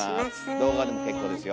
動画でも結構ですよ。